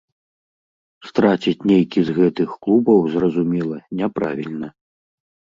Страціць нейкі з гэтых клубаў, зразумела, няправільна.